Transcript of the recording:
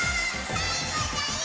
さいごだよ！